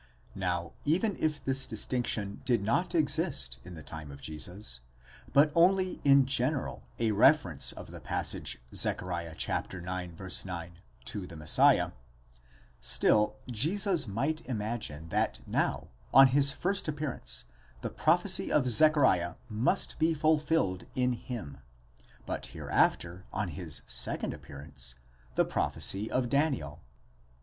Now even if this distinction did not exist in the time of Jesus, but only in general a reference of the passage Zech. ix. 9 to the Messiah: still Jesus might imagine that now, on his first appearance, the prophecy of Zechariah must be fulfilled in him, but hereafter, on his second appearance, the prophecy of Daniel.